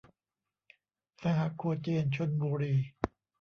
สหโคเจน ชลบุรี